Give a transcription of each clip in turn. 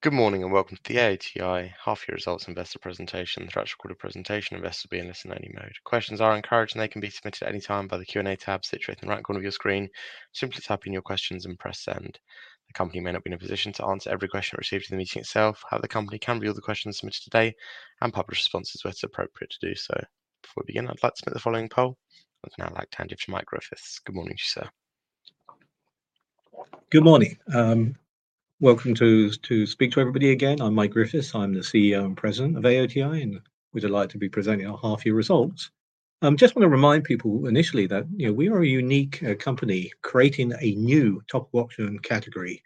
Good morning and welcome to the AOTI half-year results investor presentation. This call is being recorded. The investor presentation will be in listen-only mode. Questions are encouraged, and they can be submitted at any time by the Q&A tab situated in the right corner of your screen. Simply type in your questions and press send. The company may not be in a position to answer every question received in the meeting itself. However, the company can view the questions submitted today, and publish responses where it's appropriate to do so. Before we begin, I'd like to launch the following poll. I'd now like to hand over to Mike Griffiths. Good morning to you, sir. Good morning. Welcome to speak to everybody again. I'm Mike Griffiths. I'm the CEO and President of AOTI, and we'd like to be presenting our half-year results. Just wanna remind people initially that, you know, we are a unique company creating a new topical oxygen category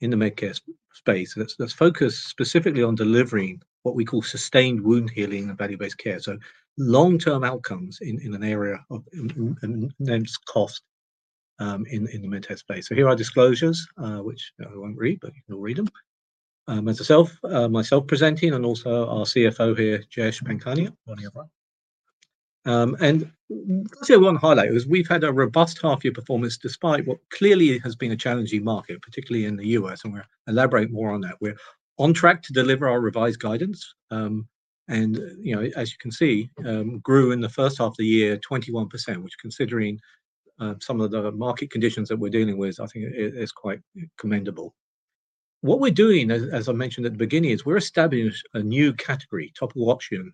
in the Medicare space that's focused specifically on delivering what we call sustained wound healing and value-based care. So long-term outcomes in an area of high cost in the Medicare space. So here are disclosures, which I won't read, but you can all read them. As myself presenting and also our CFO here, Jayesh Pankhania, and I'll say one highlight is we've had a robust half-year performance despite what clearly has been a challenging market, particularly in the U.S., and we'll elaborate more on that. We're on track to deliver our revised guidance. You know, as you can see, grew in the first half of the year 21%, which, considering some of the market conditions that we're dealing with, I think it is quite commendable. What we're doing, as I mentioned at the beginning, is we're establishing a new category, topical oxygen,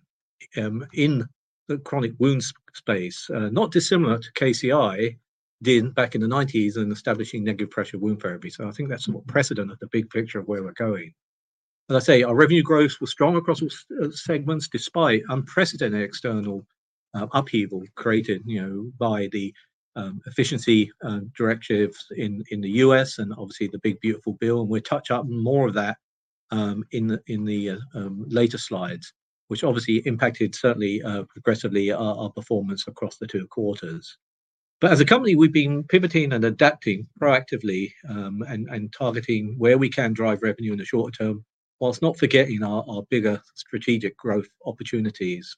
in the chronic wound space, not dissimilar to KCI did back in the 1990s in establishing negative pressure wound therapy. So I think that's a precedent of the big picture of where we're going. As I say, our revenue growth was strong across all segments despite unprecedented external upheaval created, you know, by the efficiency directives in the U.S. and obviously the Big Beautiful Bill. We'll touch on more of that in the later slides, which obviously impacted certainly aggressively our performance across the two quarters. But as a company, we've been pivoting and adapting proactively, and targeting where we can drive revenue in the short term while not forgetting our bigger strategic growth opportunities.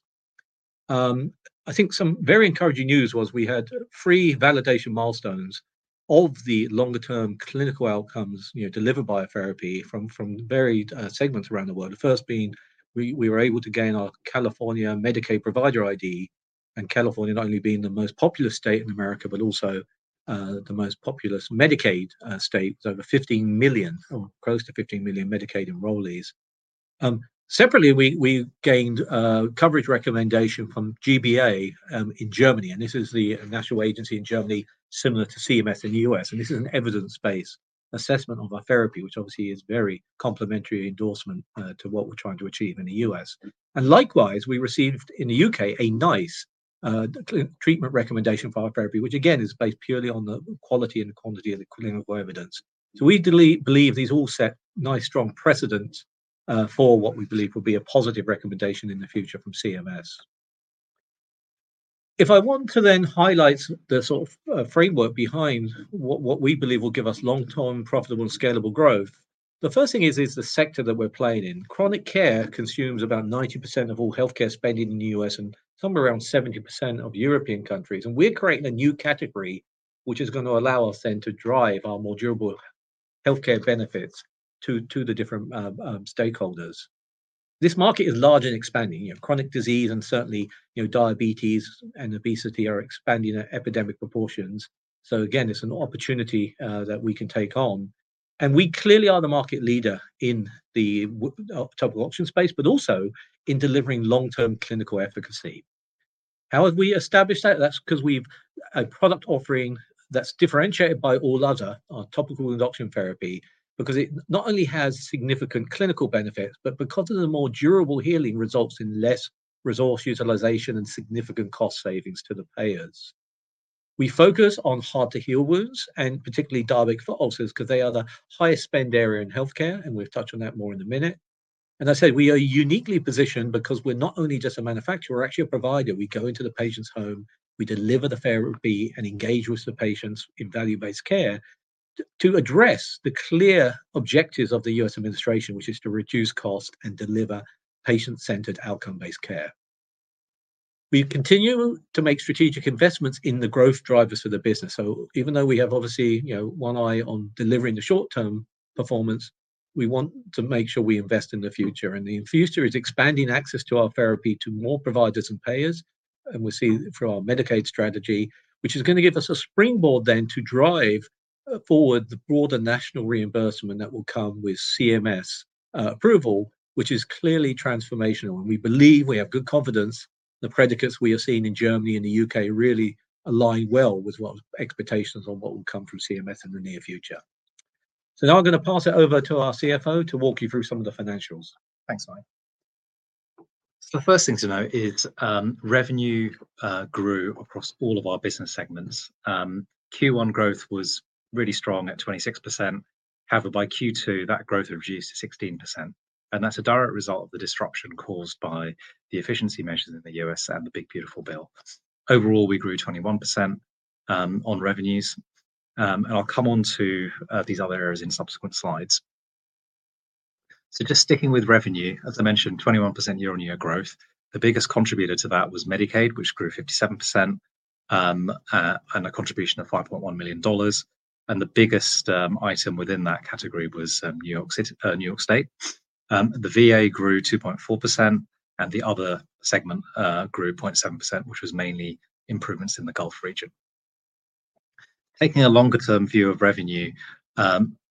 I think some very encouraging news was we had three validation milestones of the longer-term clinical outcomes, you know, delivered by a therapy from various segments around the world. The first being, we were able to gain our California Medicaid provider ID, and California not only being the most populous state in America, but also the most populous Medicaid state with over 15 million or close to 15 million Medicaid enrollees. Separately, we gained coverage recommendation from G-BA in Germany, and this is the national agency in Germany similar to CMS in the U.S. This is an evidence-based assessment of our therapy, which obviously is very complementary endorsement to what we're trying to achieve in the U.S. Likewise, we received in the U.K. a NICE treatment recommendation for our therapy, which again is based purely on the quality and the quantity of the clinical evidence. We believe these all set nice strong precedents for what we believe will be a positive recommendation in the future from CMS. If I want to then highlight the sort of framework behind what we believe will give us long-term profitable scalable growth, the first thing is the sector that we're playing in. Chronic care consumes about 90% of all healthcare spending in the U.S. and somewhere around 70% of European countries. And we are creating a new category which is gonna allow us then to drive our more durable healthcare benefits to the different stakeholders. This market is large and expanding. You know, chronic disease and certainly, you know, diabetes and obesity are expanding at epidemic proportions. So again, it's an opportunity that we can take on. And we clearly are the market leader in the topical oxygen space, but also in delivering long-term clinical efficacy. How have we established that? That's 'cause we've a product offering that's differentiated by all other topical wound oxygen therapy because it not only has significant clinical benefits, but because of the more durable healing results in less resource utilization and significant cost savings to the payers. We focus on hard-to-heal wounds and particularly diabetic foot ulcers 'cause they are the highest spend area in healthcare, and we'll touch on that more in a minute. And I said we are uniquely positioned because we are not only just a manufacturer, we're actually a provider. We go into the patient's home, we deliver the therapy, and engage with the patients in value-based care to address the clear objectives of the U.S. administration, which is to reduce cost and deliver patient-centered, outcome-based care. We continue to make strategic investments in the growth drivers for the business. So even though we have obviously, you know, one eye on delivering the short-term performance, we want to make sure we invest in the future. And the future is expanding access to our therapy to more providers and payers. We see through our Medicaid strategy, which is gonna give us a springboard then to drive forward the broader national reimbursement that will come with CMS approval, which is clearly transformational. We believe we have good confidence. The predicates we have seen in Germany and the U.K. really align well with what expectations on what will come from CMS in the near future. Now I'm gonna pass it over to our CFO to walk you through some of the financials. Thanks, Mike. So the first thing to note is revenue grew across all of our business segments. Q1 growth was really strong at 26%. However, by Q2, that growth had reduced to 16%, and that's a direct result of the disruption caused by the efficiency measures in the U.S. and the Big Beautiful Bill. Overall, we grew 21% on revenues, and I'll come on to these other areas in subsequent slides. So just sticking with revenue, as I mentioned, 21% year-on-year growth. The biggest contributor to that was Medicaid, which grew 57%, and a contribution of $5.1 million, and the biggest item within that category was New York City, New York State. The VA grew 2.4%, and the other segment grew 0.7%, which was mainly improvements in the Gulf Region. Taking a longer-term view of revenue,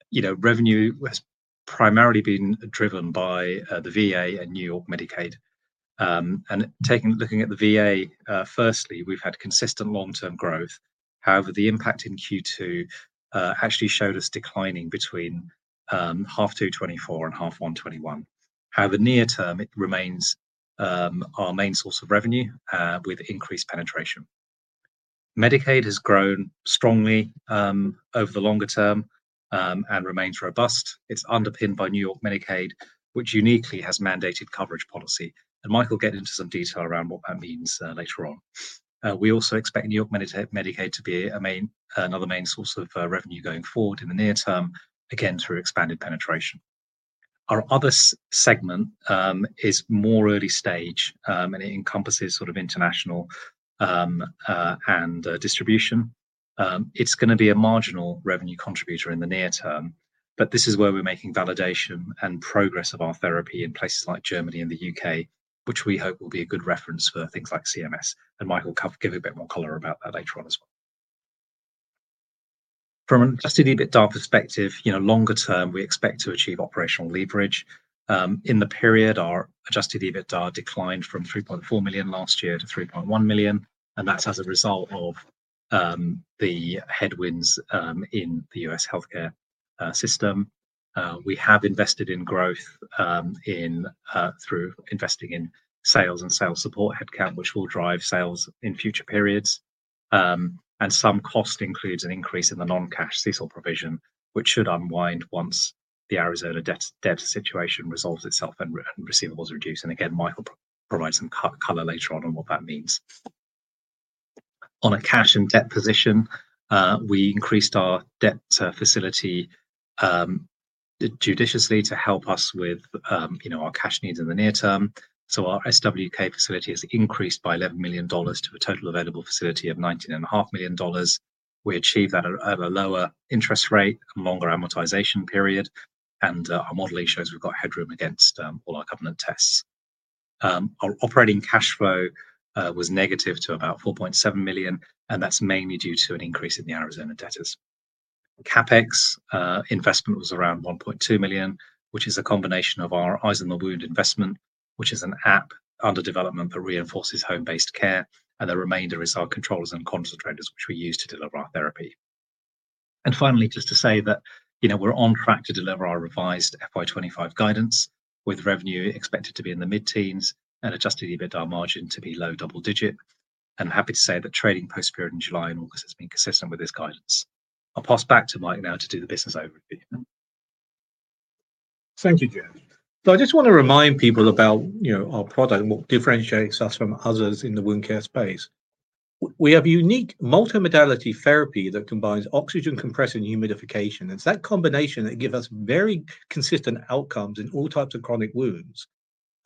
you know, revenue has primarily been driven by the VA and New York Medicaid. Looking at the VA, firstly, we've had consistent long-term growth. However, the impact in Q2 actually showed us declining between H2 2024 and H1 2021. However, near-term, it remains our main source of revenue, with increased penetration. Medicaid has grown strongly over the longer term, and remains robust. It's underpinned by New York Medicaid, which uniquely has mandated coverage policy, and Mike will get into some detail around what that means later on. We also expect New York Medicaid to be another main source of revenue going forward in the near term, again, through expanded penetration. Our other segment is more early stage, and it encompasses sort of international and distribution. It's gonna be a marginal revenue contributor in the near term, but this is where we're making validation and progress of our therapy in places like Germany and the U.K., which we hope will be a good reference for things like CMS. Mike will give a bit more color about that later on as well. From an Adjusted EBITDA perspective, you know, longer term, we expect to achieve operational leverage. In the period, our Adjusted EBITDA declined from $3.4 million last year to $3.1 million. That's as a result of the headwinds in the U.S. healthcare system. We have invested in growth through investing in sales and sales support headcount, which will drive sales in future periods. And some cost includes an increase in the non-cash CECL provision, which should unwind once the Arizona debt situation resolves itself and receivables reduce. Again, Mike will provide some color later on what that means. On a cash and debt position, we increased our debt facility judiciously to help us with, you know, our cash needs in the near term. Our SWK facility has increased by $11 million to a total available facility of $19.5 million. We achieved that at a lower interest rate and longer amortization period. Our modeling shows we've got headroom against all our government tests. Our operating cash flow was negative to about $4.7 million, and that's mainly due to an increase in the Arizona debtors. CapEx investment was around $1.2 million, which is a combination of our Eyes on the Wound investment, which is an app under development that reinforces home-based care, and the remainder is our controllers and concentrators, which we use to deliver our therapy. Finally, just to say that, you know, we're on track to deliver our revised FY25 guidance with revenue expected to be in the mid-teens and Adjusted EBITDA margin to be low double digit. I'm happy to say that trading post-period in July and August has been consistent with this guidance. I'll pass back to Mike now to do the business overview. Thank you, Jayesh. So I just wanna remind people about, you know, our product and what differentiates us from others in the wound care space. We have a unique multimodality therapy that combines oxygen compression and humidification. It's that combination that gives us very consistent outcomes in all types of chronic wounds,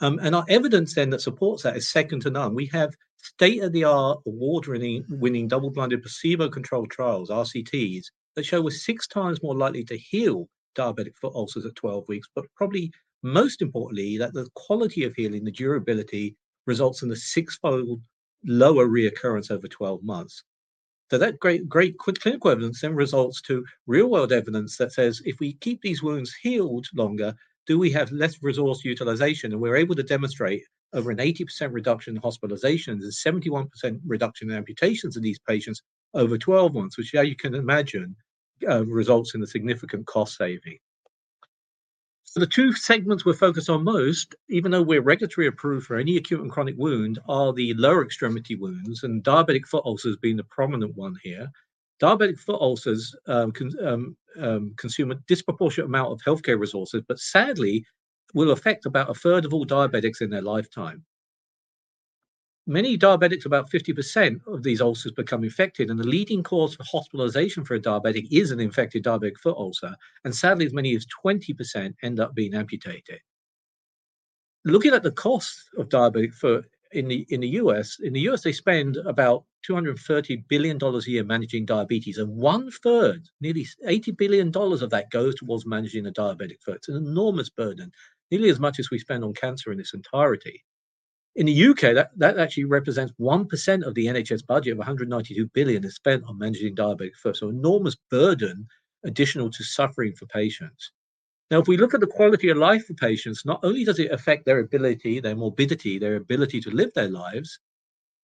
and our evidence then that supports that is second to none. We have state-of-the-art award-winning double-blinded placebo-controlled trials, RCTs, that show we're six times more likely to heal diabetic foot ulcers at 12 weeks, but probably most importantly, that the quality of healing, the durability results in a sixfold lower reoccurrence over 12 months. So that great, great quick clinical evidence then results to real-world evidence that says if we keep these wounds healed longer, do we have less resource utilization? We're able to demonstrate over an 80% reduction in hospitalizations and 71% reduction in amputations in these patients over 12 months, which, yeah, you can imagine, results in a significant cost saving. The two segments we're focused on most, even though we are regulatory approved for any acute and chronic wound, are the lower extremity wounds and diabetic foot ulcers being the prominent one here. Diabetic foot ulcers can consume a disproportionate amount of healthcare resources, but sadly will affect about a third of all diabetics in their lifetime. Many diabetics, about 50% of these ulcers become infected, and the leading cause of hospitalization for a diabetic is an infected diabetic foot ulcer. Sadly, as many as 20% end up being amputated. Looking at the cost of diabetic foot in the U.S., they spend about $230 billion a year managing diabetes, and one third, nearly $80 billion of that goes towards managing the diabetic foot. It's an enormous burden, nearly as much as we spend on cancer in its entirety. In the U.K., that actually represents 1% of the NHS budget, of $192 billion, is spent on managing diabetic foot, so enormous burden additional to suffering for patients. Now, if we look at the quality of life for patients, not only does it affect their ability, their morbidity, their ability to live their lives,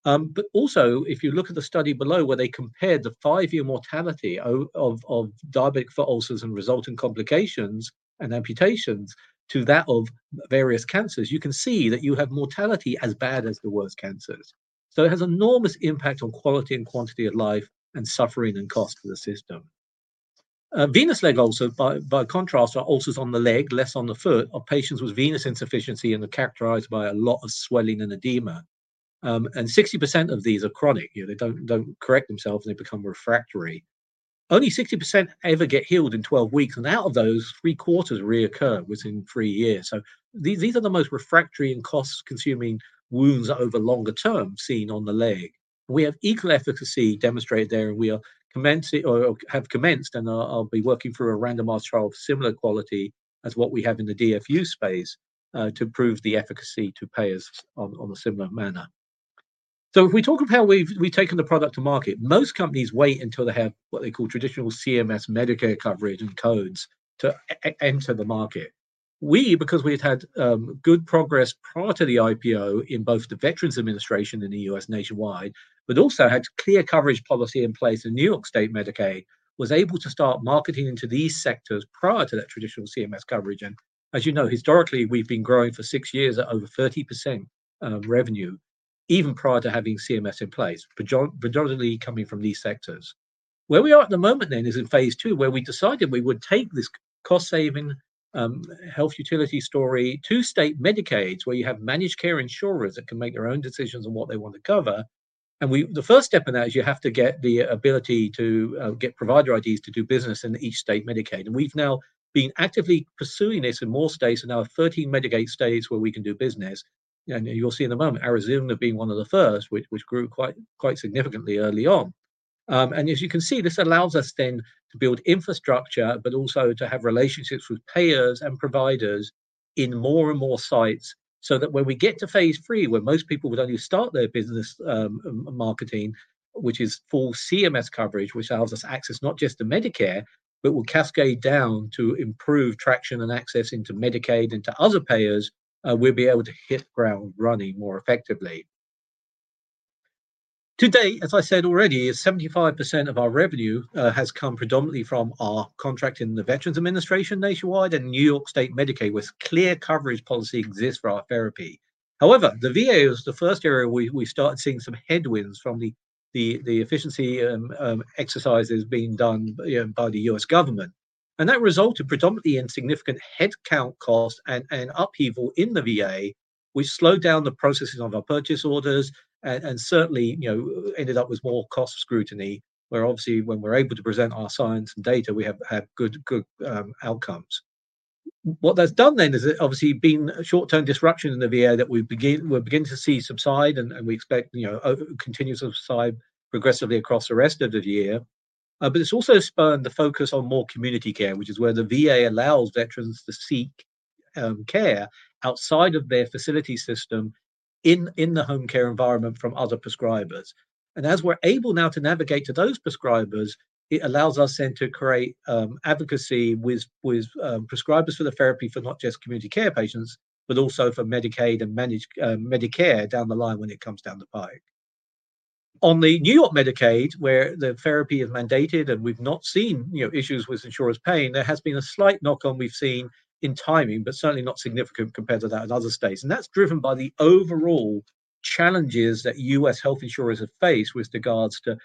but also if you look at the study below where they compared the five-year mortality of diabetic foot ulcers and resultant complications and amputations to that of various cancers, you can see that you have mortality as bad as the worst cancers. So it has enormous impact on quality and quantity of life and suffering and cost for the system. Venous leg ulcers, by contrast, are ulcers on the leg, less on the foot of patients with venous insufficiency and are characterized by a lot of swelling and edema, and 60% of these are chronic. You know, they don't correct themselves and they become refractory. Only 60% ever get healed in 12 weeks. Out of those, three quarters reoccur within three years. These are the most refractory and cost-consuming wounds over longer term seen on the leg. We have equal efficacy demonstrated there, and we are commencing or have commenced, and I'll be working through a randomized trial of similar quality as what we have in the DFU space, to prove the efficacy to payers in a similar manner. If we talk about how we've taken the product to market, most companies wait until they have what they call Traditional CMS, Medicare coverage and codes to enter the market. We, because we had had good progress prior to the IPO in both the Veterans Administration in the U.S. nationwide, but also had clear coverage policy in place, and New York State Medicaid was able to start marketing into these sectors prior to that Traditional CMS coverage. As you know, historically, we've been growing for six years at over 30% revenue, even prior to having CMS in place, predominantly coming from these sectors. Where we are at the moment then is in phase II, where we decided we would take this cost-saving, health utility story to state Medicaid, where you have managed care insurers that can make their own decisions on what they wanna cover. We, the first step in that is you have to get the ability to get provider IDs to do business in each state Medicaid. We've now been actively pursuing this in more states. Now 13 Medicaid states where we can do business. You'll see in a moment Arizona being one of the first, which grew quite significantly early on. And as you can see, this allows us then to build infrastructure, but also to have relationships with payers and providers in more and more sites so that when we get to phase III, where most people would only start their business, marketing, which is full CMS coverage, which allows us access not just to Medicare, but will cascade down to improve traction and access into Medicaid and to other payers, we'll be able to hit the ground running more effectively. Today, as I said already, 75% of our revenue has come predominantly from our contract in the Veterans Administration nationwide and New York State Medicaid, with clear coverage policy that exists for our therapy. However, the VA is the first area we started seeing some headwinds from the efficiency exercises being done, you know, by the U.S. government. And that resulted predominantly in significant headcount cost and upheaval in the VA, which slowed down the processing of our purchase orders and certainly, you know, ended up with more cost scrutiny, where obviously when we're able to present our science and data, we have good outcomes. What that's done then is it obviously been short-term disruption in the VA that we're beginning to see subside, and we expect, you know, continues to subside progressively across the rest of the year. But it's also spurred the focus on more Community Care, which is where the VA allows veterans to seek care outside of their facility system in the home care environment from other prescribers. As we're able now to navigate to those prescribers, it allows us then to create advocacy with prescribers for the therapy for not just Community Care patients, but also for Medicaid and managed Medicare down the line when it comes down the pike. On the New York Medicaid, where the therapy is mandated and we've not seen, you know, issues with insurers paying, there has been a slight knock-on we've seen in timing, but certainly not significant compared to that in other states. That's driven by the overall challenges that U.S. health insurers have faced with regards to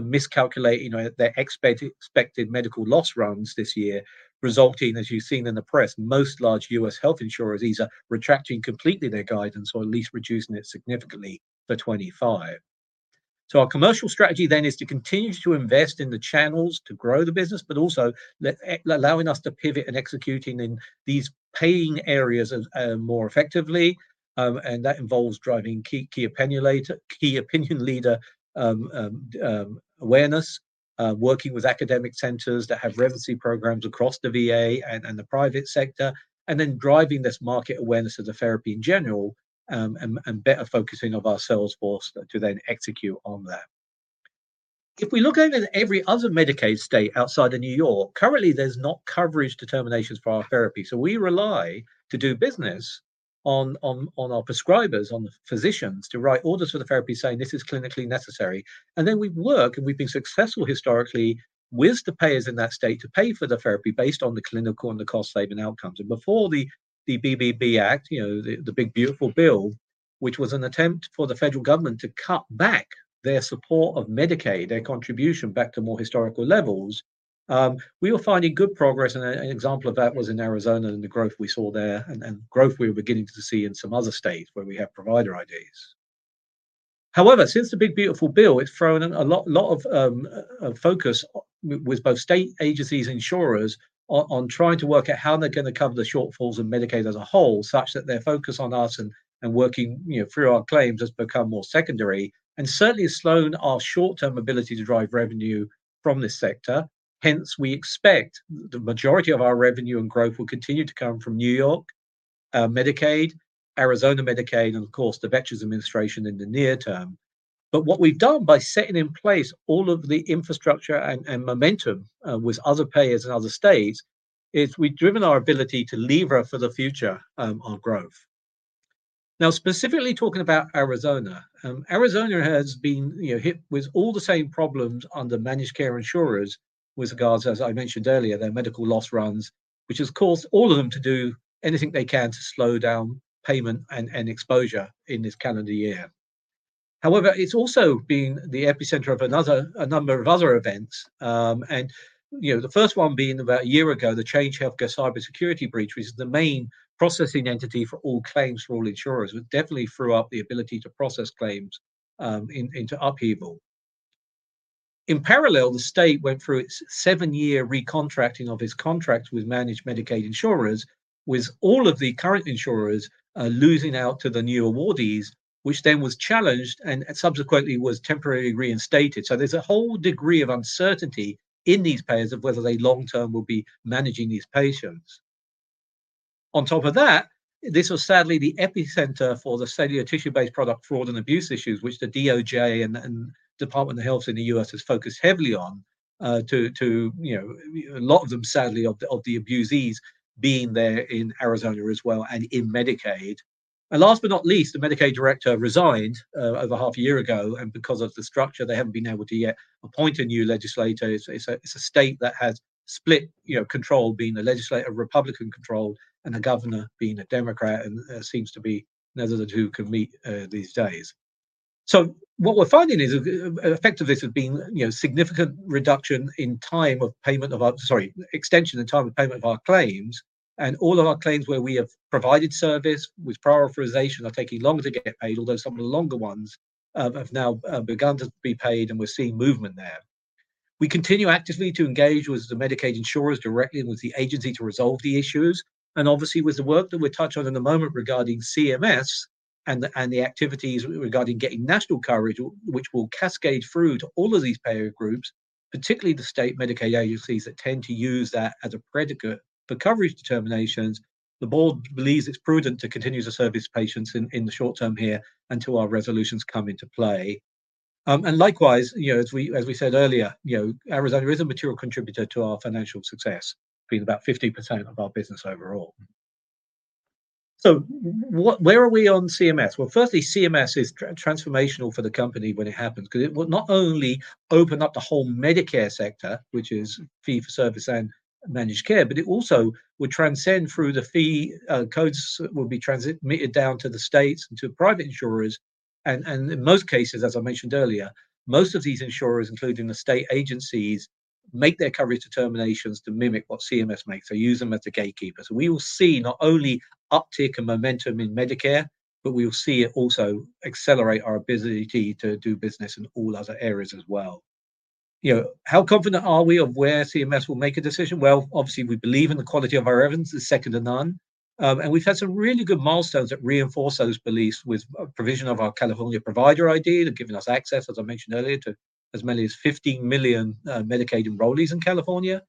miscalculating, you know, their expected medical loss runs this year, resulting, as you've seen in the press, most large U.S. health insurers either retracting completely their guidance or at least reducing it significantly for 2025. So our commercial strategy then is to continue to invest in the channels to grow the business, but also allowing us to pivot and execute in these paying areas more effectively. And that involves driving key opinion leader awareness, working with academic centers that have residency programs across the VA and the private sector, and then driving this market awareness of the therapy in general, and better focusing of our sales force to then execute on that. If we look at every other Medicaid state outside of New York, currently there's not coverage determinations for our therapy. So we rely to do business on our prescribers, on the physicians to write orders for the therapy saying this is clinically necessary. Then we work, and we've been successful historically with the payers in that state to pay for the therapy based on the clinical and the cost saving outcomes. Before the BBB Act, you know, the Big Beautiful Bill, which was an attempt for the federal government to cut back their support of Medicaid, their contribution back to more historical levels, we were finding good progress. An example of that was in Arizona and the growth we saw there and growth we were beginning to see in some other states where we have provider IDs. However, since the Big Beautiful Bill, it's thrown a lot of focus with both state agencies and insurers on trying to work out how they're gonna cover the shortfalls of Medicaid as a whole, such that their focus on us and working, you know, through our claims has become more secondary and certainly has slowed our short-term ability to drive revenue from this sector. Hence, we expect the majority of our revenue and growth will continue to come from New York Medicaid, Arizona Medicaid, and of course the Veterans Administration in the near term. But what we've done by setting in place all of the infrastructure and momentum with other payers in other states is we've driven our ability to lever for the future our growth. Now, specifically talking about Arizona, Arizona has been, you know, hit with all the same problems under managed care insurers with regards, as I mentioned earlier, their medical loss runs, which has caused all of them to do anything they can to slow down payment and exposure in this calendar year. However, it's also been the epicenter of another, a number of other events, and you know, the first one being about a year ago, the Change Healthcare cybersecurity breach, which is the main processing entity for all claims for all insurers, which definitely threw up the ability to process claims into upheaval. In parallel, the state went through its seven-year recontracting of its contracts with managed Medicaid insurers, with all of the current insurers losing out to the new awardees, which then was challenged and subsequently was temporarily reinstated. There's a whole degree of uncertainty in these payers of whether they long-term will be managing these patients. On top of that, this was sadly the epicenter for the cellular tissue-based product fraud and abuse issues, which the DOJ and Department of Health in the U.S. has focused heavily on, to you know, a lot of them, sadly, of the abusees being there in Arizona as well and in Medicaid. Last but not least, the Medicaid director resigned over half a year ago. Because of the structure, they haven't been able to yet appoint a new director. It's a state that has split, you know, control being the legislature Republican control, and a governor being a Democrat. It seems to be neither of the two can meet these days. So what we're finding is the effect of this has been, you know, significant reduction in time of payment of our, sorry, extension and time of payment of our claims. And all of our claims where we have provided service with prior authorization are taking longer to get paid, although some of the longer ones have now begun to be paid. And we're seeing movement there. We continue actively to engage with the Medicaid insurers directly and with the agency to resolve the issues. And obviously with the work that we're touched on in the moment regarding CMS and the activities regarding getting national coverage, which will cascade through to all of these payer groups, particularly the state Medicaid agencies that tend to use that as a predicate for coverage determinations. The board believes it's prudent to continue to service patients in the short term here until our resolutions come into play, and likewise, you know, as we said earlier, you know, Arizona is a material contributor to our financial success, being about 50% of our business overall. What, where are we on CMS? Firstly, CMS is transformational for the company when it happens, 'cause it will not only open up the whole Medicare sector, which is fee for service and managed care, but it also would transcend through the fee codes will be transmitted down to the states and to private insurers. In most cases, as I mentioned earlier, most of these insurers, including the state agencies, make their coverage determinations to mimic what CMS makes. They use them as the gatekeepers. So we will see not only uptick and momentum in Medicare, but we will see it also accelerate our ability to do business in all other areas as well. You know, how confident are we of where CMS will make a decision? Well, obviously we believe in the quality of our evidence, the second to none, and we've had some really good milestones that reinforce those beliefs with provision of our California Provider ID that have given us access, as I mentioned earlier, to as many as 15 million Medicaid enrollees in California.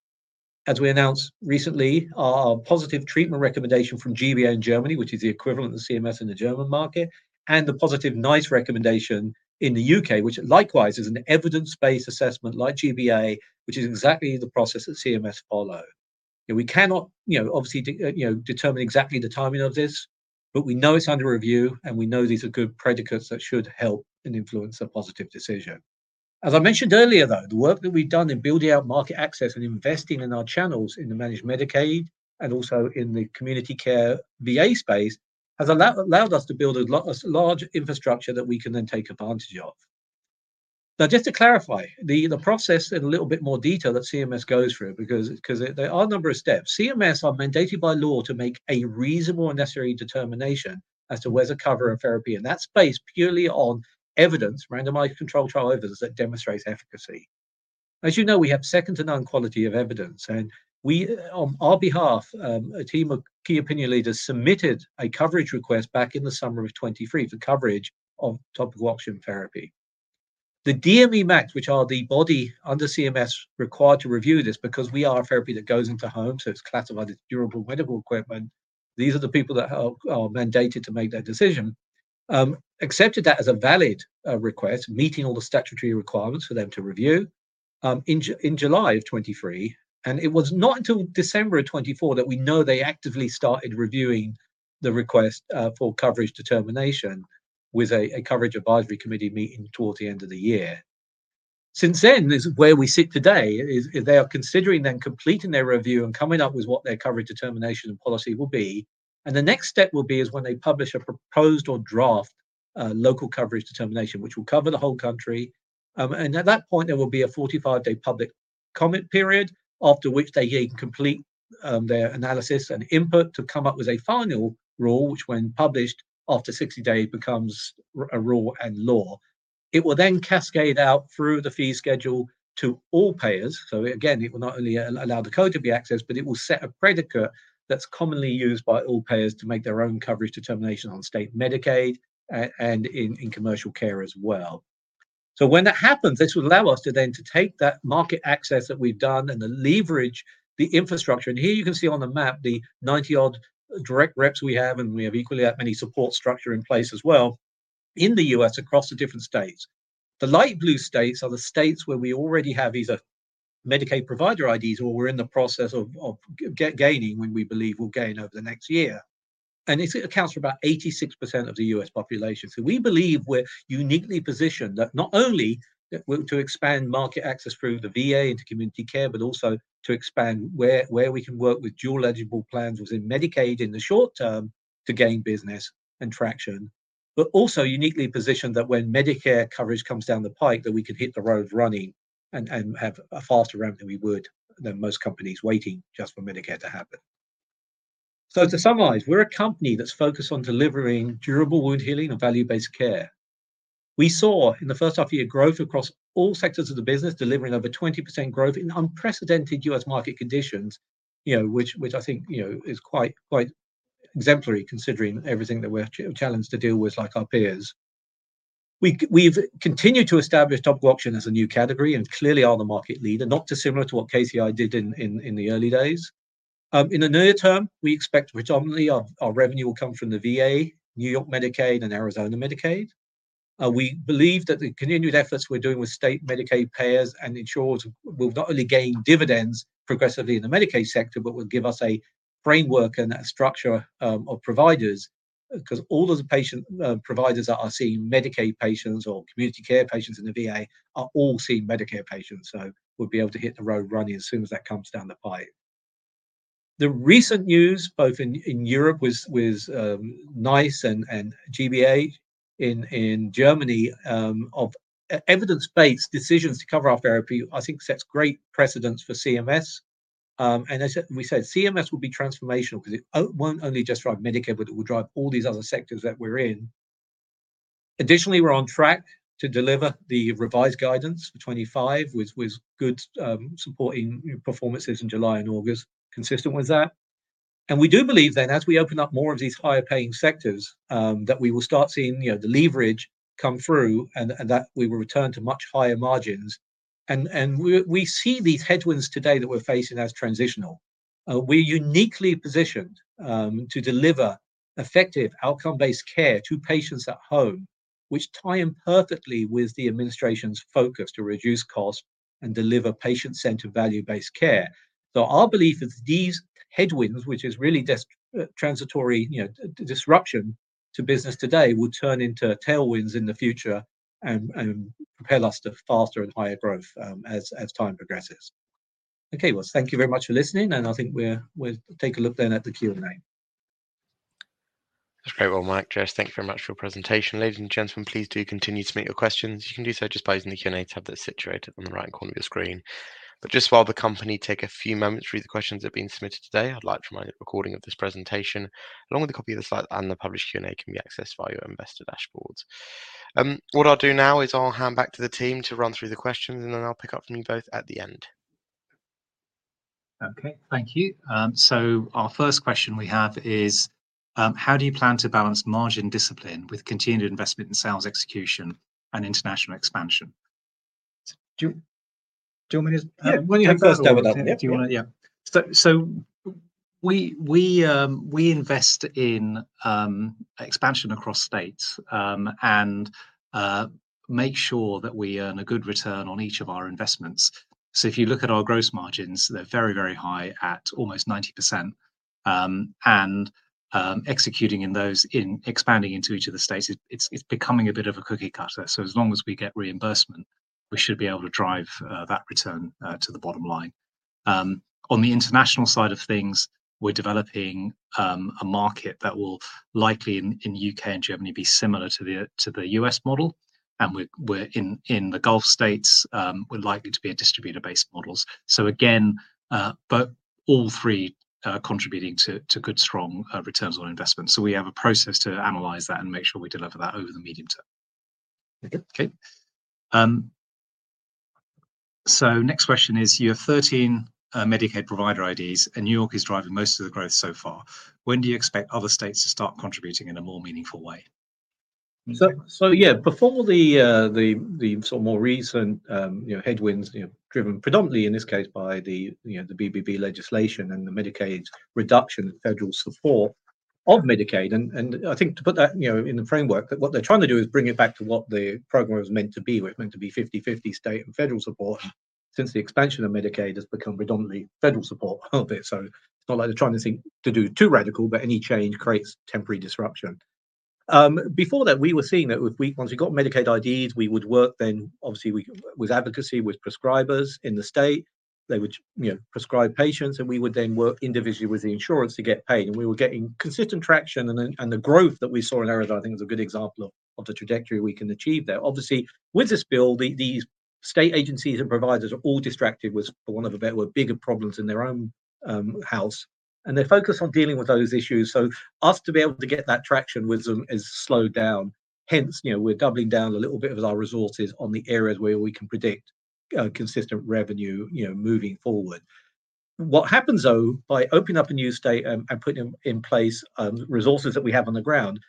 As we announced recently, our positive treatment recommendation from G-BA in Germany, which is the equivalent of CMS in the German market, and the positive NICE recommendation in the U.K., which likewise is an evidence-based assessment like G-BA, which is exactly the process that CMS followed. You know, we cannot, you know, obviously, you know, determine exactly the timing of this, but we know it's under review and we know these are good predicates that should help and influence a positive decision. As I mentioned earlier, though, the work that we've done in building out market access and investing in our channels in the managed Medicaid and also in the Community Care VA space has allowed us to build a large infrastructure that we can then take advantage of. Now, just to clarify the process in a little bit more detail that CMS goes through, because there are a number of steps. CMS are mandated by law to make a reasonable and necessary determination as to whether to cover the therapy in that space purely on evidence, randomized controlled trial evidence that demonstrates efficacy. As you know, we have second to none quality of evidence. We, on our behalf, a team of key opinion leaders submitted a coverage request back in the summer of 2023 for coverage of topical oxygen therapy. The DME MAC, which are the body under CMS required to review this because we are a therapy that goes into homes, so it's classified as durable medical equipment. These are the people that are mandated to make that decision, accepted that as a valid request, meeting all the statutory requirements for them to review in July of 2023. It was not until December of 2024 that we know they actively started reviewing the request for coverage determination with a coverage advisory committee meeting towards the end of the year. Since then, this is where we sit today. They are considering then completing their review and coming up with what their coverage determination and policy will be. The next step will be when they publish a proposed or draft Local Coverage Determination, which will cover the whole country. At that point, there will be a 45-day public comment period, after which they can complete their analysis and input to come up with a final rule, which when published after 60 days becomes a rule and law. It will then cascade out through the fee schedule to all payers. So again, it will not only allow the code to be accessed, but it will set a predicate that's commonly used by all payers to make their own coverage determination on state Medicaid and in commercial care as well. So when that happens, this will allow us to then take that market access that we've done and the leverage, the infrastructure. And here you can see on the map the 90-odd direct reps we have, and we have equally that many support structures in place as well in the U.S. across the different states. The light blue states are the states where we already have either Medicaid provider IDs or we're in the process of gaining when we believe we'll gain over the next year. And it accounts for about 86% of the U.S. population. So we believe we're uniquely positioned that not only we're to expand market access through the VA into Community Care, but also to expand where we can work with dual eligible plans within Medicaid in the short term to gain business and traction, but also uniquely positioned that when Medicare coverage comes down the pike, that we can hit the road running and have a faster ramp than we would most companies waiting just for Medicare to happen. So to summarize, we're a company that's focused on delivering durable wound healing and value-based care. We saw in the first half year growth across all sectors of the business, delivering over 20% growth in unprecedented U.S. market conditions, you know, which I think, you know, is quite exemplary considering everything that we're challenged to deal with, like our peers. We've continued to establish topical oxygen as a new category and clearly are the market leader, not dissimilar to what KCI did in the early days. In the near term, we expect predominantly our revenue will come from the VA, New York Medicaid, and Arizona Medicaid. We believe that the continued efforts we're doing with state Medicaid payers and insurers will not only gain dividends progressively in the Medicaid sector, but will give us a framework and a structure of providers, 'cause all of the providers that are seeing Medicaid patients or Community Care patients in the VA are all seeing Medicare patients. So we'll be able to hit the road running as soon as that comes down the pike. The recent news, both in Europe with NICE and G-BA in Germany, of evidence-based decisions to cover our therapy, I think sets great precedents for CMS. We said CMS will be transformational 'cause it won't only just drive Medicare, but it will drive all these other sectors that we're in. Additionally, we're on track to deliver the revised guidance for 2025 with good supporting performances in July and August consistent with that. We do believe then as we open up more of these higher paying sectors, that we will start seeing, you know, the leverage come through and that we will return to much higher margins. We see these headwinds today that we're facing as transitional. We are uniquely positioned to deliver effective outcome-based care to patients at home, which tie in perfectly with the administration's focus to reduce costs and deliver patient-centered value-based care. So our belief is these headwinds, which is really transitory, you know, disruption to business today, will turn into tailwinds in the future and, and prepare us to faster and higher growth, as, as time progresses. Okay, well, thank you very much for listening. And I think we'll take a look then at the Q&A. That's great. Well, Mike, Jayesh, thank you very much for your presentation. Ladies and gentlemen, please do continue to submit your questions. You can do so just by using the Q&A tab that's situated on the right corner of your screen. But just while the company take a few moments through the questions that have been submitted today, I'd like to remind you the recording of this presentation, along with a copy of the slides and the published Q&A, can be accessed via your investor dashboards. What I'll do now is I'll hand back to the team to run through the question, and then I'll pick up from you both at the end. Okay, thank you. So our first question we have is, how do you plan to balance margin discipline with continued investment in sales execution and international expansion? Do you want me to, when you first double up, do you want it? Yeah. So, we invest in expansion across states, and make sure that we earn a good return on each of our investments. So if you look at our gross margins, they're very, very high at almost 90%. Executing in those, in expanding into each of the states, it's becoming a bit of a cookie cutter. As long as we get reimbursement, we should be able to drive that return to the bottom line. On the international side of things, we're developing a market that will likely in U.K. and Germany be similar to the U.S. model, and we're in the Gulf States, we're likely to be a distributor-based models. Again, but all three contributing to good, strong returns on investment. We have a process to analyze that and make sure we deliver that over the medium term. Okay. Next question is, you have 13 Medicaid provider IDs, and New York is driving most of the growth so far. When do you expect other states to start contributing in a more meaningful way? So yeah, before the sort of more recent, you know, headwinds, you know, driven predominantly in this case by the, you know, the BBB legislation and the Medicaid reduction of federal support of Medicaid. And I think to put that, you know, in the framework that what they're trying to do is bring it back to what the program was meant to be, where it's meant to be 50/50 state and federal support. And since the expansion of Medicaid has become predominantly federal support of it, so it's not like they're trying to think to do too radical, but any change creates temporary disruption. Before that, we were seeing that if we, once we got Medicaid IDs, we would work then, obviously we, with advocacy, with prescribers in the state, they would, you know, prescribe patients, and we would then work individually with the insurance to get paid. And we were getting consistent traction and the growth that we saw in Arizona, I think is a good example of the trajectory we can achieve there. Obviously with this bill, the these state agencies and providers are all distracted with, for want of a better, bigger problems in their own house. And they're focused on dealing with those issues. So us to be able to get that traction with them is slowed down. Hence, you know, we're doubling down a little bit of our resources on the areas where we can predict consistent revenue, you know, moving forward. What happens though, by opening up a new state and putting in place resources that we have on the ground,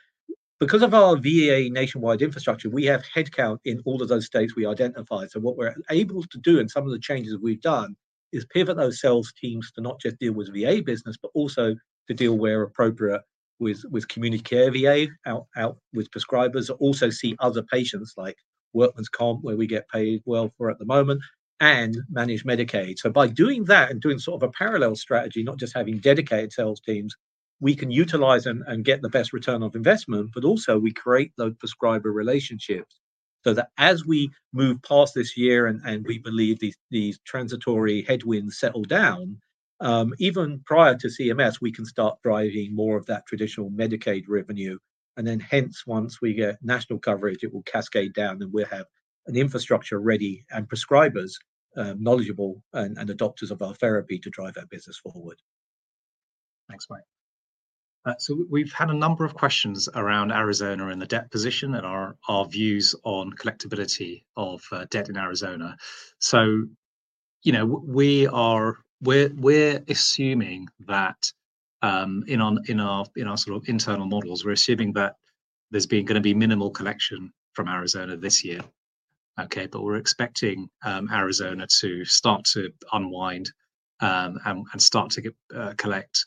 because of our VA nationwide infrastructure, we have headcount in all of those states we identified. So what we're able to do and some of the changes we've done is pivot those sales teams to not just deal with VA business, but also to deal where appropriate with Community Care VA out with prescribers, also see other patients like Workman's Comp, where we get paid well for at the moment and manage Medicaid. So by doing that and doing sort of a parallel strategy, not just having dedicated sales teams, we can utilize and get the best return on investment, but also we create those prescriber relationships so that as we move past this year and we believe these transitory headwinds settle down, even prior to CMS, we can start driving more of that Traditional Medicaid revenue. And then hence, once we get national coverage, it will cascade down and we'll have an infrastructure ready and prescribers knowledgeable and adopters of our therapy to drive that business forward. Thanks, Mike. So we've had a number of questions around Arizona and the debt position and our views on collectibility of debt in Arizona. So, you know, we're assuming that in our sort of internal models, we're assuming that there's gonna be minimal collection from Arizona this year. Okay. But we're expecting Arizona to start to unwind and start to collect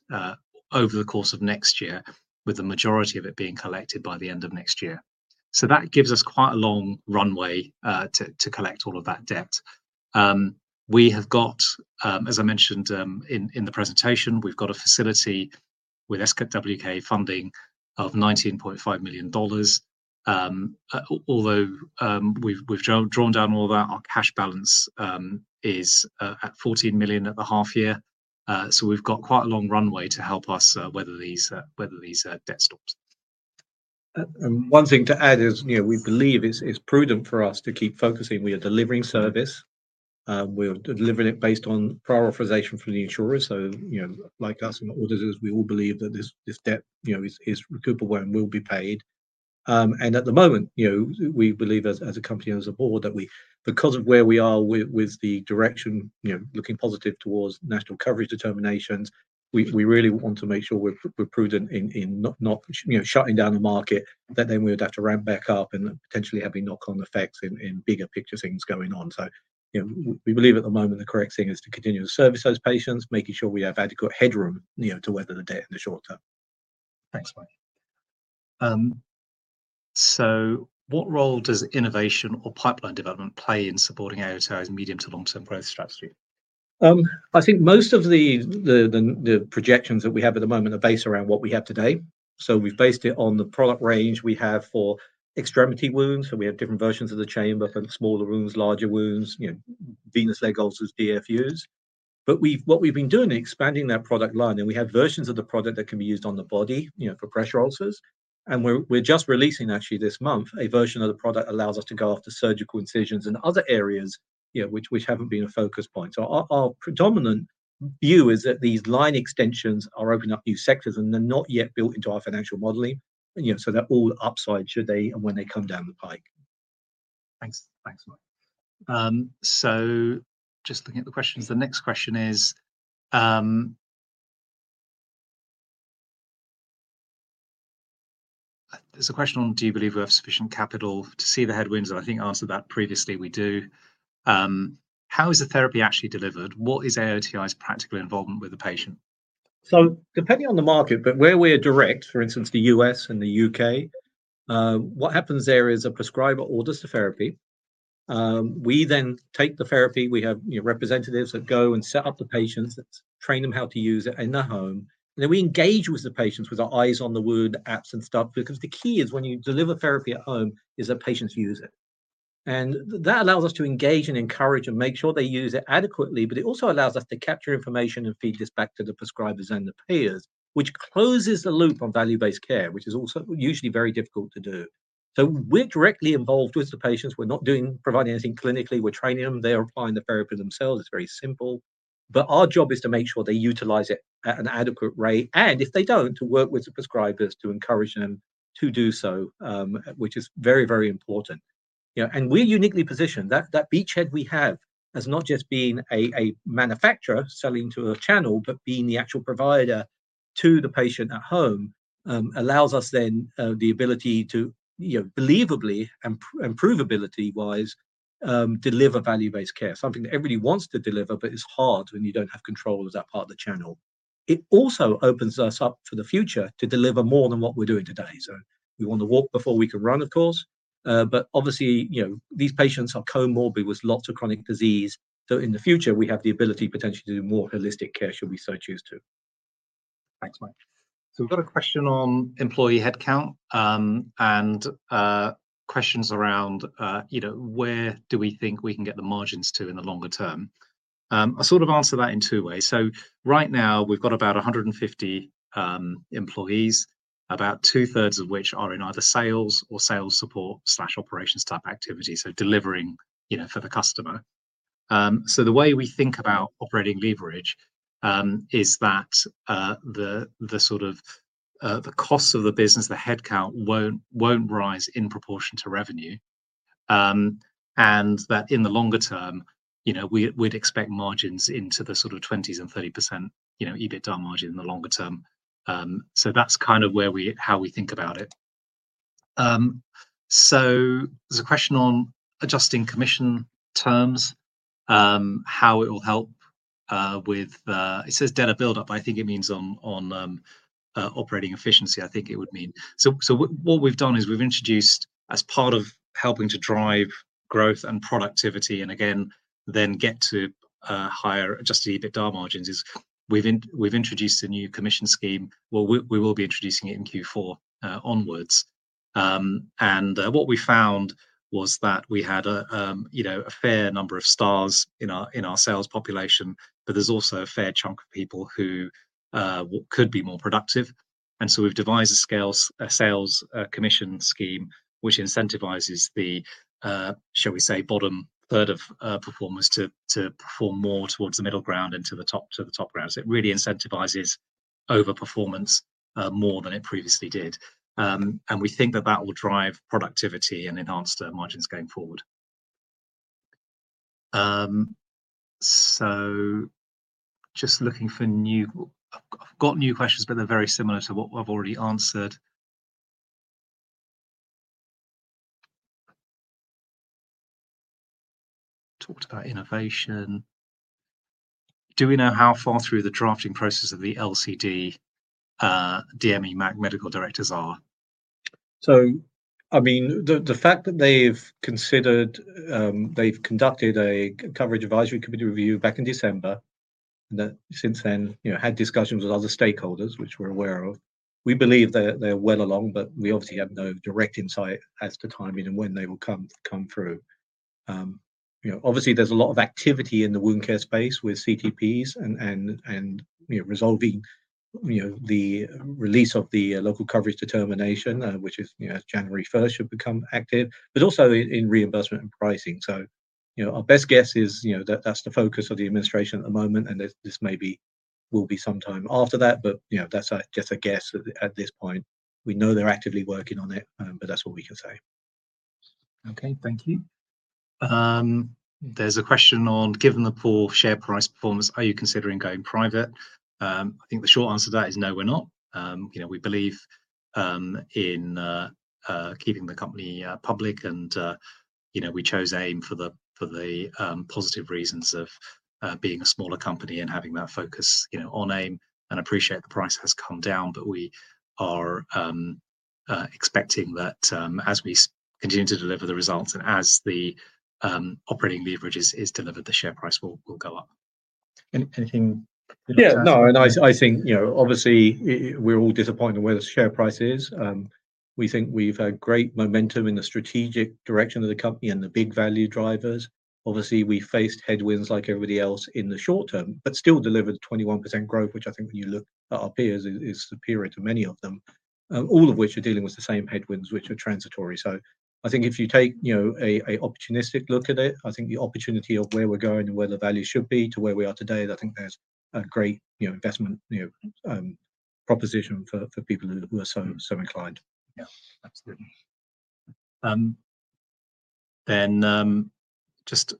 over the course of next year with the majority of it being collected by the end of next year. That gives us quite a long runway to collect all of that debt. We have got, as I mentioned, in the presentation, we've got a facility with SWK Funding of $19.5 million. Although, we've drawn down all that, our cash balance is at $14 million at the half year. We've got quite a long runway to help us weather these debt stops. One thing to add is, you know, we believe it's prudent for us to keep focusing. We are delivering service. We are delivering it based on prior authorization from the insurers. So, you know, like us and auditors, we all believe that this debt, you know, is recoupable and will be paid. And at the moment, you know, we believe as a company and as a board that we, because of where we are with the direction, you know, looking positive towards national coverage determinations, we really want to make sure we're prudent in not, you know, shutting down the market, that then we would have to ramp back up and potentially have a knock-on effects in bigger picture things going on. So, you know, we believe at the moment the correct thing is to continue to service those patients, making sure we have adequate headroom, you know, to weather the debt in the short term. Thanks, Mike. So what role does innovation or pipeline development play in supporting AOTI's medium to long-term growth strategy? I think most of the projections that we have at the moment are based around what we have today. So we've based it on the product range we have for extremity wounds. So we have different versions of the chamber for smaller wounds, larger wounds, you know, venous leg ulcers, DFUs. But we've, what we've been doing, expanding that product line, and we have versions of the product that can be used on the body, you know, for pressure ulcers. And we're just releasing actually this month a version of the product that allows us to go after surgical incisions and other areas, you know, which haven't been a focus point. So our predominant view is that these line extensions are opening up new sectors and they're not yet built into our financial modeling, you know, so they're all upside should they, and when they come down the pike. Thanks, Mike. So just looking at the questions, the next question is, there's a question on, do you believe we have sufficient capital to see the headwinds? And I think answered that previously, we do. How is the therapy actually delivered? What is AOTI's practical involvement with the patient? So depending on the market, but where we are direct, for instance, the U.S. and the U.K., what happens there is a prescriber orders the therapy. We then take the therapy. We have, you know, representatives that go and set up the patients, that train them how to use it in the home. Then we engage with the patients with our Eyes on the Wound, the apps and stuff, because the key is when you deliver therapy at home is that patients use it. That allows us to engage and encourage and make sure they use it adequately, but it also allows us to capture information and feed this back to the prescribers and the payers, which closes the loop on value-based care, which is also usually very difficult to do. We're directly involved with the patients. We're not doing, providing anything clinically. We're training them. They're applying the therapy themselves. It's very simple, but our job is to make sure they utilize it at an adequate rate. And if they don't, to work with the prescribers to encourage them to do so, which is very, very important, you know. And we are uniquely positioned that that beachhead we have as not just being a manufacturer selling to a channel, but being the actual provider to the patient at home, allows us then the ability to, you know, believably and provability-wise, deliver value-based care, something that everybody wants to deliver, but it's hard when you don't have control of that part of the channel. It also opens us up for the future to deliver more than what we're doing today. So we wanna walk before we can run, of course. But obviously, you know, these patients are co-morbid with lots of chronic disease. So in the future, we have the ability potentially to do more holistic care should we so choose to. Thanks, Mike. So we've got a question on employee headcount, and questions around, you know, where do we think we can get the margins to in the longer term. I sort of answer that in two ways. So right now we've got about 150 employees, about two thirds of which are in either sales or sales support slash operations type activity. So delivering, you know, for the customer. So the way we think about operating leverage is that the sort of the cost of the business, the headcount won't rise in proportion to revenue. And that in the longer term, you know, we we'd expect margins into the sort of 20%-30%, you know, EBITDA margin in the longer term. So that's kind of where we, how we think about it. There's a question on adjusting commission terms, how it will help with data buildup, but I think it means on operating efficiency. I think it would mean. What we've done is we've introduced as part of helping to drive growth and productivity and again then get to higher Adjusted EBITDA margins is we've introduced a new commission scheme. We will be introducing it in Q4 onwards. What we found was that we had, you know, a fair number of stars in our sales population, but there's also a fair chunk of people who could be more productive. We've devised a sales commission scheme, which incentivizes the, shall we say, bottom third of performers to perform more towards the middle ground and to the top ground. It really incentivizes overperformance, more than it previously did. And we think that will drive productivity and enhance the margins going forward. So just looking for new. I've got new questions, but they're very similar to what I've already answered. Talked about innovation. Do we know how far through the drafting process of the LCD, DME MAC medical directors are? So, I mean, the fact that they've considered. They've conducted a Coverage Advisory Committee review back in December and that since then, you know, had discussions with other stakeholders, which we're aware of. We believe that they're well along, but we obviously have no direct insight as to timing and when they will come through. You know, obviously there's a lot of activity in the wound care space with CTPs and you know, resolving you know, the release of the Local Coverage Determination, which is you know, January 1st should become active, but also in reimbursement and pricing. So, you know, our best guess is you know, that that's the focus of the administration at the moment and this may be will be sometime after that, but you know, that's just a guess at this point. We know they're actively working on it, but that's what we can say. Okay. Thank you. There's a question on, given the poor share price performance, are you considering going private? I think the short answer to that is no, we're not. You know, we believe in keeping the company public and, you know, we chose AIM for the positive reasons of being a smaller company and having that focus, you know, on AIM and appreciate the price has come down, but we are expecting that, as we continue to deliver the results and as the operating leverage is delivered, the share price will go up. Any, anything? Yeah. No, and I think, you know, obviously we are all disappointed in where the share price is. We think we've had great momentum in the strategic direction of the company and the big value drivers. Obviously we faced headwinds like everybody else in the short term, but still delivered 21% growth, which I think when you look at our peers is superior to many of them, all of which are dealing with the same headwinds, which are transitory. So I think if you take, you know, an opportunistic look at it, I think the opportunity of where we're going and where the value should be to where we are today, I think there's a great, you know, investment, you know, proposition for people who are so inclined. Yeah. Absolutely. Then, just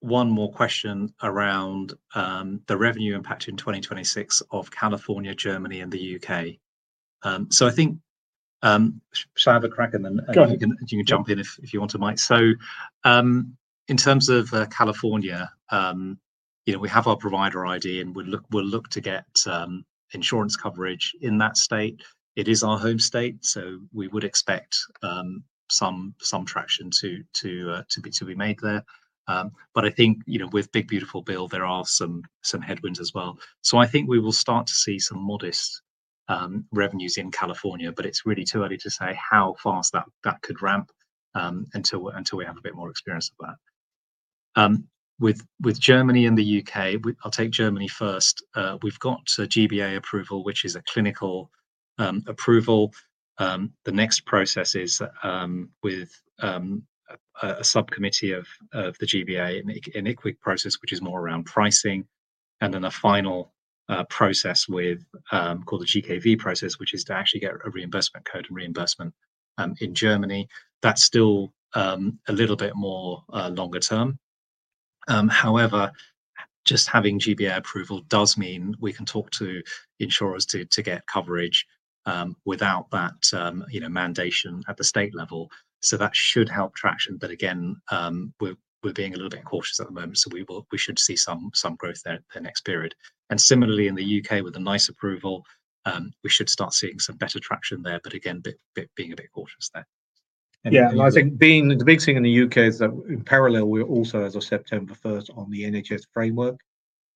one more question around the revenue impact in 2026 of California, Germany, and the U.K. So I think, should I have a crack and then you can jump in if you want to, Mike. In terms of California, you know, we have our provider ID and we'll look to get insurance coverage in that state. It is our home state, so we would expect some traction to be made there. But I think, you know, with Big Beautiful Bill, there are some headwinds as well. I think we will start to see some modest revenues in California, but it's really too early to say how fast that could ramp until we have a bit more experience of that. With Germany and the U.K., I'll take Germany first. We've got a G-BA approval, which is a clinical approval. The next process is with a subcommittee of the G-BA and IQWiG process, which is more around pricing. And then a final process called the GKV process, which is to actually get a reimbursement code and reimbursement in Germany. That's still a little bit more longer term. However, just having G-BA approval does mean we can talk to insurers to get coverage without that, you know, mandated at the state level. So that should help traction. But again, we're being a little bit cautious at the moment. So we should see some growth there the next period. And similarly in the U.K. with a NICE approval, we should start seeing some better traction there. But again, being a bit cautious there. Yeah. And I think the big thing in the U.K. is that in parallel, we are also as of September 1st on the NHS framework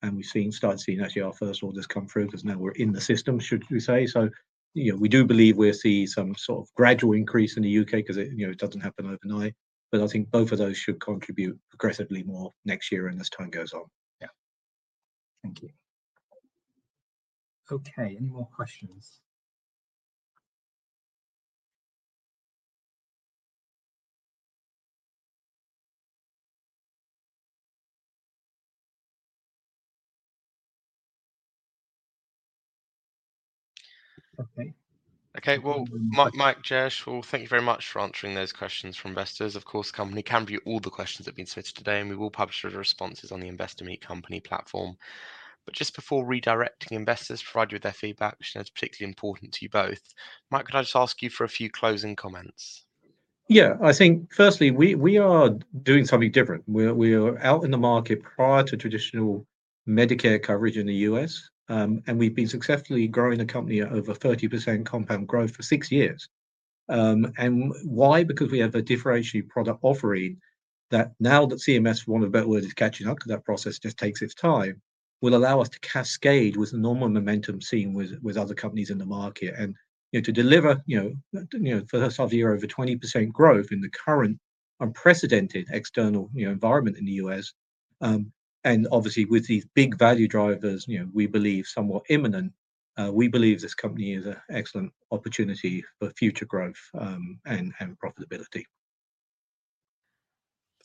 and we've seen, started seeing actually our first orders come through 'cause now we're in the system, should we say. So, you know, we do believe we'll see some sort of gradual increase in the U.K. 'cause it, you know, it doesn't happen overnight. But I think both of those should contribute progressively more next year and as time goes on. Yeah. Thank you. Okay. Any more questions? Okay. Okay. Well, Mike, Mike, Jayesh, well, thank you very much for answering those questions from investors. Of course, the company can view all the questions that have been submitted today and we will publish the responses on the Investor Meet Company platform. But just before redirecting investors, provide you with their feedback, which is particularly important to you both. Mike, could I just ask you for a few closing comments? Yeah. I think firstly, we, we are doing something different. We, we are out in the market prior to traditional Medicare coverage in the U.S., and we've been successfully growing the company at over 30% compound growth for six years, and why? Because we have a differentiated product offering that now that CMS, one of the better words is catching up, 'cause that process just takes its time, will allow us to cascade with the normal momentum seen with, with other companies in the market, and, you know, to deliver, you know, you know, for the first half year, over 20% growth in the current unprecedented external, you know, environment in the U.S. And obviously with these big value drivers, you know, we believe somewhat imminent, we believe this company is an excellent opportunity for future growth, and, and profitability.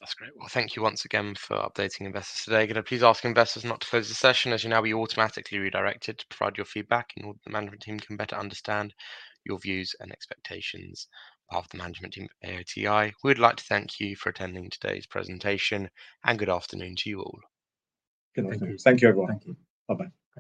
That's great. Well, thank you once again for updating investors today. Gonna please ask investors not to close the session as you now be automatically redirected to provide your feedback and the management team can better understand your views and expectations of the management team. AOTI. We'd like to thank you for attending today's presentation and good afternoon to you all. Good afternoon. Thank you everyone. Thank you. Bye-bye.